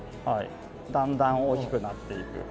だんだん大きくなっていく。